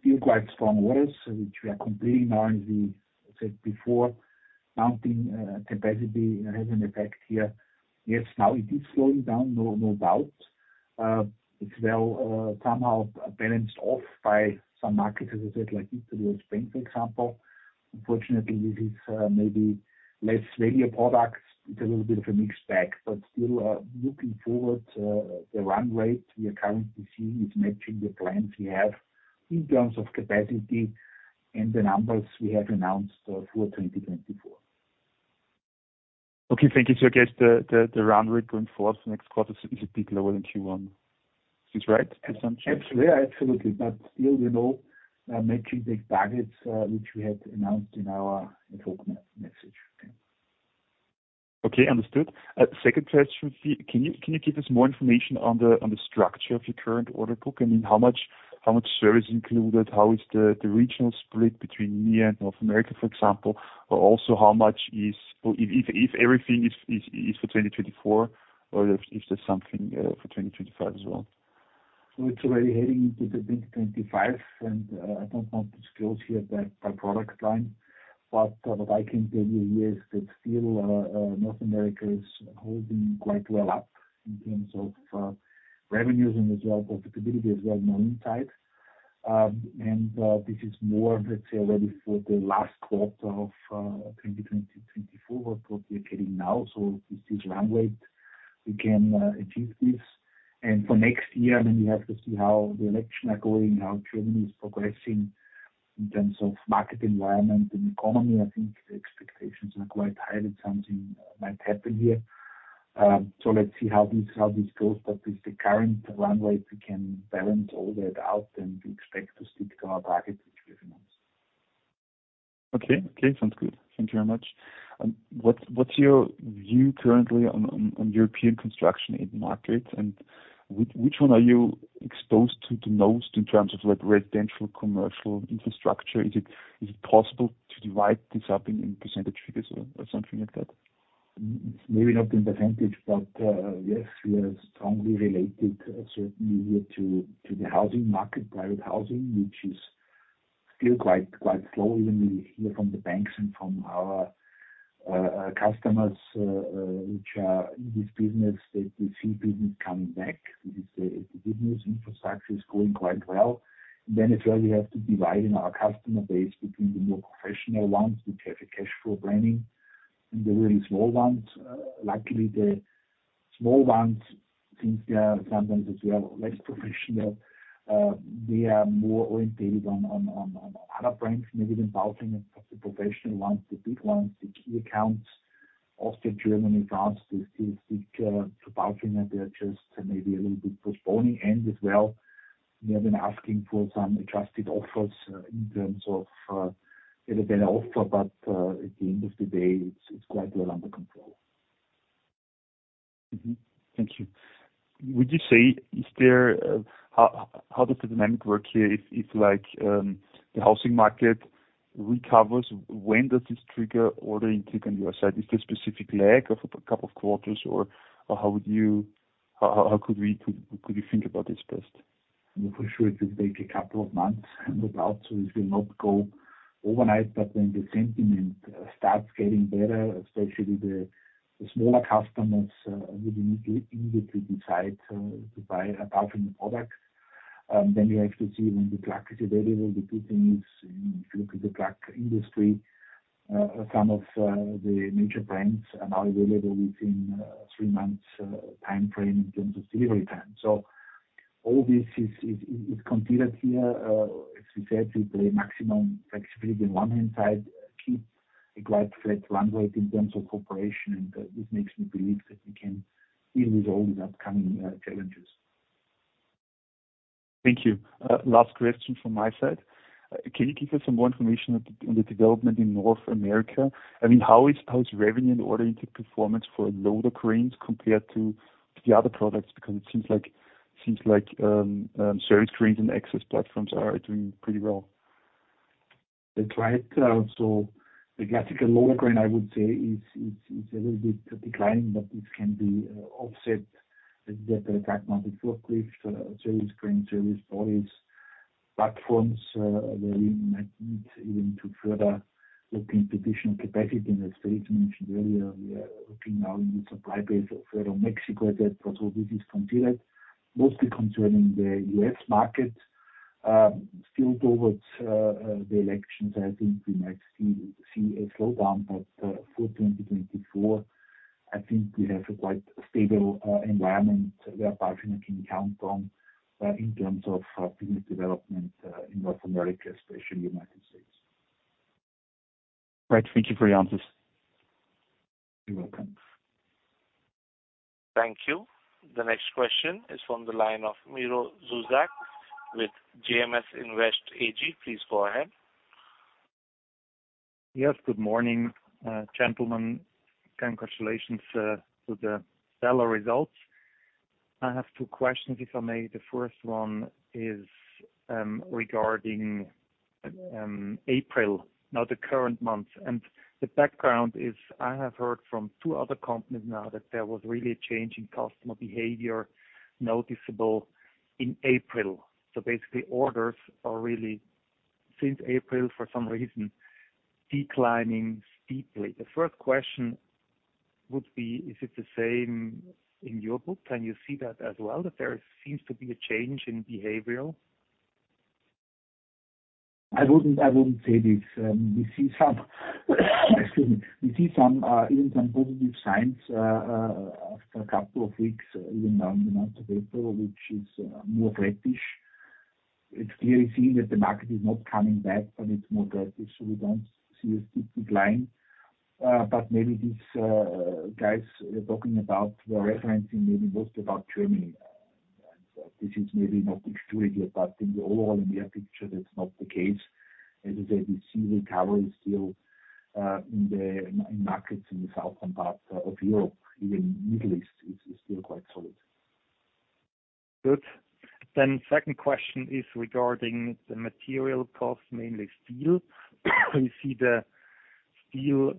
still quite strong orders which we are completing now. And as we said before, mounting capacity has an effect here. Yes, now it is slowing down, no doubt. It's well somehow balanced off by some markets, as I said, like Italy or Spain, for example. Unfortunately, this is maybe less value products. It's a little bit of a mixed bag. But still looking forward, the run rate we are currently seeing is matching the plans we have in terms of capacity and the numbers we have announced for 2024. Okay. Thank you. I guess the run rate going forward for next quarter is a bit lower than Q1. Is this right, assumption? Yeah. Absolutely. But still, we're now matching the targets which we had announced in our ad hoc message. Yeah. Okay. Understood. Second question would be, can you give us more information on the structure of your current order book? I mean, how much service is included? How is the regional split between EMEA and North America, for example? Or also, how much is or if everything is for 2024 or if there's something for 2025 as well? Well, it's already heading into 2025. I don't want to scroll here by product line. But what I can tell you here is that still, North America is holding quite well up in terms of revenues and as well profitability as well. No insight. This is more, let's say, already for the last quarter of 2024, what we are getting now. With this run rate, we can achieve this. For next year, then we have to see how the elections are going, how Germany is progressing in terms of market environment and economy. I think the expectations are quite high that something might happen here. Let's see how this goes. With the current run rate, we can balance all that out and we expect to stick to our targets which we have announced. Okay. Okay. Sounds good. Thank you very much. What's your view currently on European construction end markets? And which one are you exposed to the most in terms of residential, commercial infrastructure? Is it possible to divide this up in percentage figures or something like that? It's maybe not in percentage. But yes, we are strongly related, certainly here, to the housing market, private housing, which is still quite slow. Even we hear from the banks and from our customers which are in this business that we see business coming back. This is the business. Infrastructure is going quite well. And then as well, we have to divide in our customer base between the more professional ones which have a cash flow planning and the really small ones. Luckily, the small ones, since they are sometimes as well less professional, they are more oriented on other brands maybe than Palfinger. But the professional ones, the big ones, the key accounts, Austria, Germany, France, they still stick to Palfinger. They are just maybe a little bit postponing. And as well, we have been asking for some adjusted offers in terms of get a better offer. At the end of the day, it's quite well under control. Thank you. Would you say, is there, how does the dynamic work here? If the housing market recovers, when does this trigger order intake on your side? Is there a specific lag of a couple of quarters? Or how could you think about this best? For sure, it will take a couple of months and about. This will not go overnight. But when the sentiment starts getting better, especially the smaller customers really need to immediately decide to buy a Baltic product, then you have to see when the truck is available. The good thing is, if you look at the truck industry, some of the major brands are now available within a three-month time frame in terms of delivery time. All this is considered here. As we said, we play maximum flexibility on one hand side, keep a quite flat run rate in terms of operation. This makes me believe that we can deal with all these upcoming challenges. Thank you. Last question from my side. Can you give us some more information on the development in North America? I mean, how is revenue and order intake performance for Loader Cranes compared to the other products? Because it seems like Service Cranes and Access Platforms are doing pretty well. They're quiet. So the classical loader crane, I would say, is a little bit declining. But this can be offset as we have the aftermarket forklift, service crane, service bodies platforms where we might need even to further look into additional capacity. And as Felix mentioned earlier, we are looking now in the supply base further Mexico, etc. So this is considered mostly concerning the US market. Still towards the elections, I think we might see a slowdown. But for 2024, I think we have a quite stable environment where Palfinger can count on in terms of business development in North America, especially United States. Great. Thank you for your answers. You're welcome. Thank you. The next question is from the line of Miro Zuzak with JMS Invest AG. Please go ahead. Yes. Good morning, gentlemen. Congratulations to the full results. I have two questions, if I may. The first one is regarding April, now the current month. The background is I have heard from two other companies now that there was really a change in customer behavior noticeable in April. So basically, orders are really, since April, for some reason, declining steeply. The first question would be, is it the same in your book? Can you see that as well, that there seems to be a change in behavior? I wouldn't say this. Excuse me. We see even some positive signs after a couple of weeks, even now in the month of April, which is more reddish. It's clearly seen that the market is not coming back, but it's more dreadful. So we don't see a steep decline. But maybe these guys you're talking about were referencing maybe mostly about Germany. And this is maybe not extrapolated here. But in the overall EMEA picture, that's not the case. As I said, we see recovery still in markets in the southern part of Europe. Even Middle East is still quite solid. Good. Then second question is regarding the material cost, mainly steel. We see the steel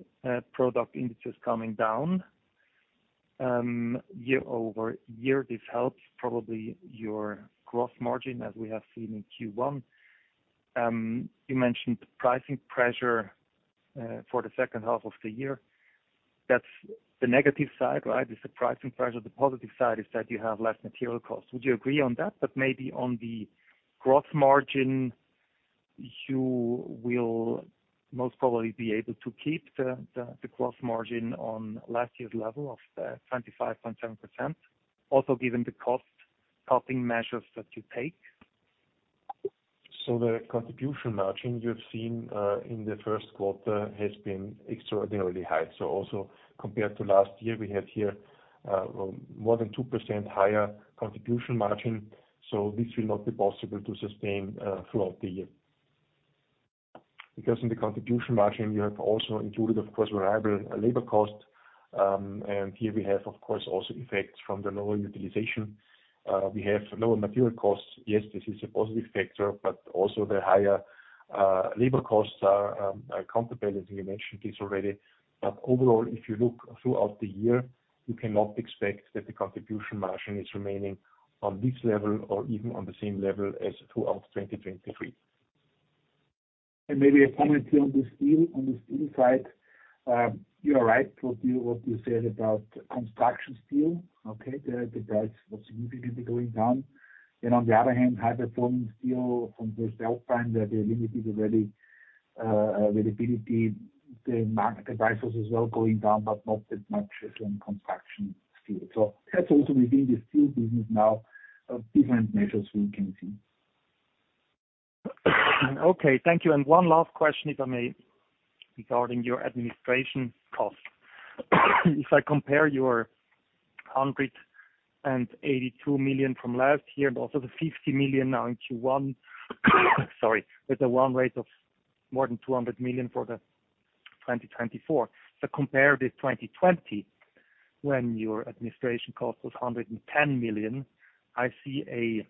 product indices coming down year-over-year. This helps probably your gross margin as we have seen in Q1. You mentioned pricing pressure for the second half of the year. That's the negative side, right, is the pricing pressure. The positive side is that you have less material cost. Would you agree on that? But maybe on the gross margin, you will most probably be able to keep the gross margin on last year's level of 25.7%, also given the cost-cutting measures that you take? So the contribution margin you have seen in the first quarter has been extraordinarily high. So also compared to last year, we had here more than 2% higher contribution margin. So this will not be possible to sustain throughout the year. Because in the contribution margin, you have also included, of course, variable labor cost. And here we have, of course, also effects from the lower utilization. We have lower material costs. Yes, this is a positive factor. But also, the higher labor costs are a counterbalance, and you mentioned this already. But overall, if you look throughout the year, you cannot expect that the contribution margin is remaining on this level or even on the same level as throughout 2023. Maybe a comment here on the steel side. You are right what you said about construction steel. Okay? The price was significantly going down. On the other hand, high-performing steel from voestalpine, where they limited the availability, the price was as well going down but not that much as on construction steel. That's also within the steel business now, different measures we can see. Okay. Thank you. And one last question, if I may, regarding your administration cost. If I compare your 182 million from last year and also the 50 million now in Q1, sorry, with a run rate of more than 200 million for 2024, if I compare with 2020 when your administration cost was 110 million, I see a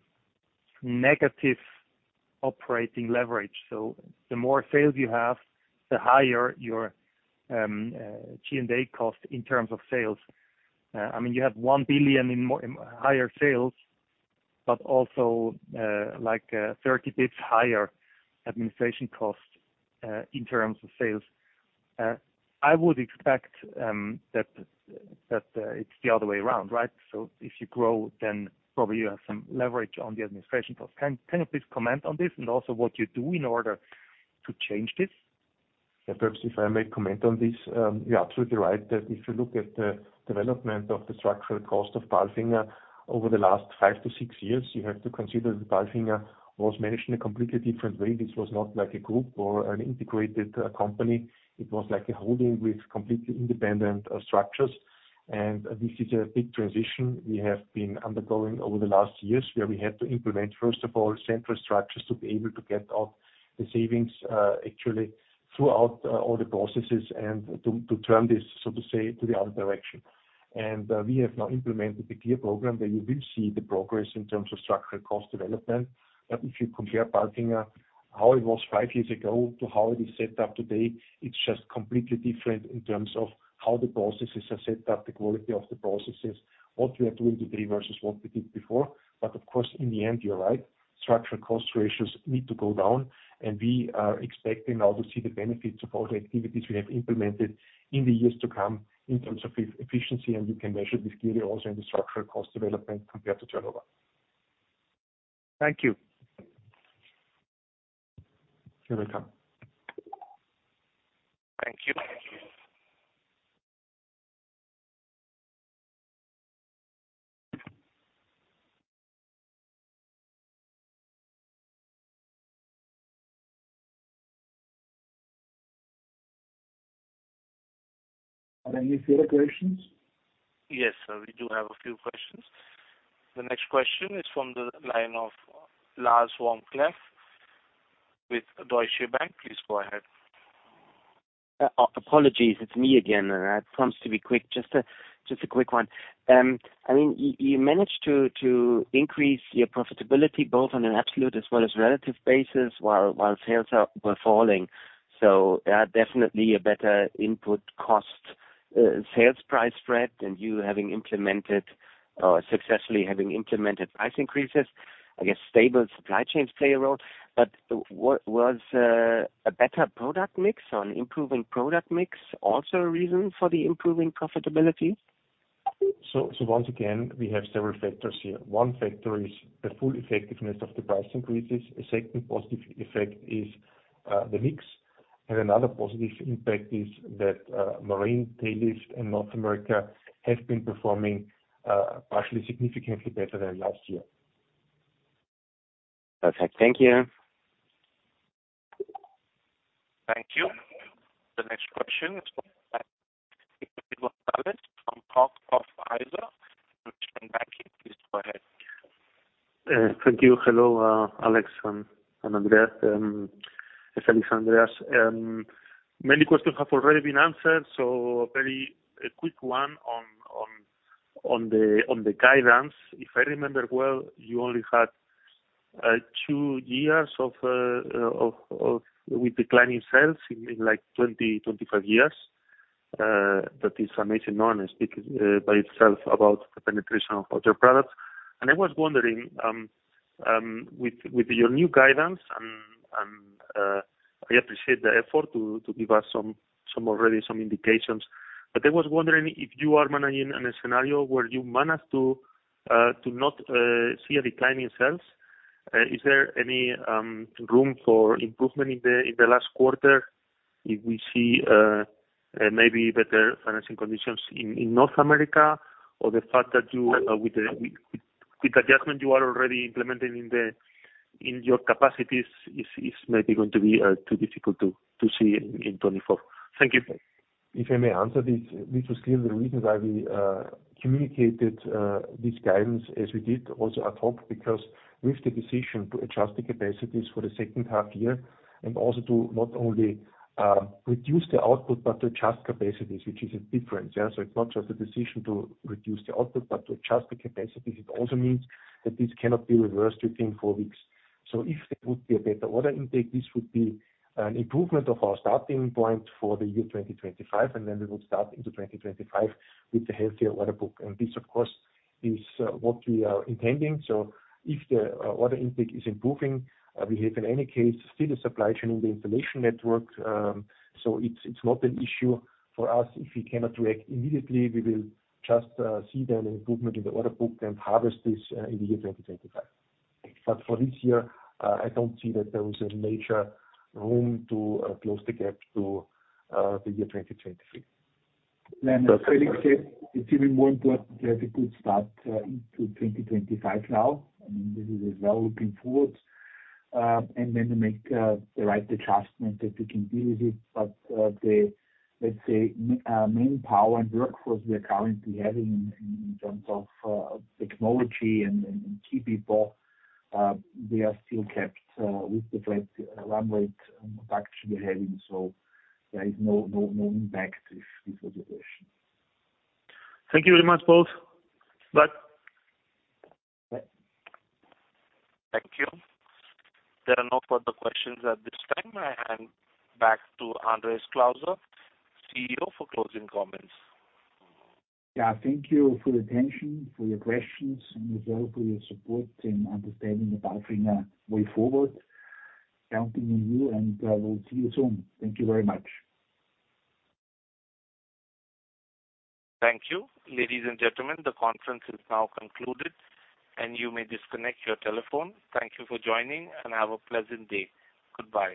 negative operating leverage. So the more sales you have, the higher your G&A cost in terms of sales. I mean, you have 1 billion in higher sales but also 30 bps higher administration cost in terms of sales. I would expect that it's the other way around, right? So if you grow, then probably you have some leverage on the administration cost. Can you please comment on this and also what you do in order to change this? Yeah. Perhaps if I may comment on this, you're absolutely right that if you look at the development of the structural cost of Baltic over the last 5-6 years, you have to consider that Baltic was managed in a completely different way. This was not a group or an integrated company. It was a holding with completely independent structures. And this is a big transition we have been undergoing over the last years where we had to implement, first of all, central structures to be able to get out the savings actually throughout all the processes and to turn this, so to say, to the other direction. And we have now implemented the clear program where you will see the progress in terms of structural cost development. But if you compare Baltic, how it was five years ago to how it is set up today, it's just completely different in terms of how the processes are set up, the quality of the processes, what we are doing today versus what we did before. But of course, in the end, you're right, structural cost ratios need to go down. And we are expecting now to see the benefits of all the activities we have implemented in the years to come in terms of efficiency. And you can measure this clearly also in the structural cost development compared to turnover. Thank you. You're welcome. Thank you. Are there any further questions? Yes. We do have a few questions. The next question is from the line of Lars vom Cleff with Deutsche Bank. Please go ahead. Apologies. It's me again. I promised to be quick. Just a quick one. I mean, you managed to increase your profitability both on an absolute as well as relative basis while sales were falling. So definitely a better input cost sales price spread than you having implemented or successfully having implemented price increases. I guess stable supply chains play a role. But was a better product mix or an improving product mix also a reason for the improving profitability? So once again, we have several factors here. One factor is the full effectiveness of the price increases. A second positive effect is the mix. And another positive impact is that Marine, Tail Lift, and North America have been performing partially significantly better than last year. Perfect. Thank you. Thank you. The next question is from Hauck & Aufhäuser. Please go ahead. Thank you. Hello, Felix and Andreas. Many questions have already been answered. So a very quick one on the guidance. If I remember well, you only had 2 years with declining sales in 20, 25 years. That is amazing. That speaks for itself about the penetration of other products. And I was wondering, with your new guidance and I appreciate the effort to give us already some indications. But I was wondering if you are managing in a scenario where you managed to not see a declining sales, is there any room for improvement in the last quarter if we see maybe better financing conditions in North America? Or the fact that with the adjustment you are already implementing in your capacities is maybe going to be too difficult to see in 2024? Thank you. If I may answer this, this was clearly the reasons why we communicated this guidance as we did also at top because with the decision to adjust the capacities for the second half year and also to not only reduce the output but to adjust capacities, which is a difference, yeah? So it's not just a decision to reduce the output but to adjust the capacities. It also means that this cannot be reversed within four weeks. So if there would be a better order intake, this would be an improvement of our starting point for the year 2025. And then we would start into 2025 with a healthier order book. And this, of course, is what we are intending. So if the order intake is improving, we have in any case still a supply chain in the installation network. So it's not an issue for us. If we cannot react immediately, we will just see then an improvement in the order book and harvest this in the year 2025. But for this year, I don't see that there was a major room to close the gap to the year 2023. Then Felix said it's even more important to have a good start into 2025 now. I mean, this is as well looking forward. And then you make the right adjustment that you can deal with it. But let's say manpower and workforce we are currently having in terms of technology and key people, they are still kept with the flat run rate production we are having. So there is no impact if this was your question. Thank you very much, both. Bye. Thank you. There are no further questions at this time. I hand back to Andreas Klauser, CEO, for closing comments. Yeah. Thank you for your attention, for your questions, and as well for your support in understanding the Baltic way forward. Counting on you. And we'll see you soon. Thank you very much. Thank you, ladies and gentlemen. The conference is now concluded. You may disconnect your telephone. Thank you for joining, and have a pleasant day. Goodbye.